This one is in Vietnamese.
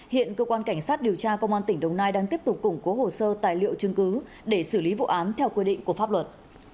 hiện cơ quan cảnh sát điều tra công an tỉnh đồng nai đang tiếp tục củng cố hồ sơ tài liệu chứng cứ để xử lý vụ án theo quy định của pháp luật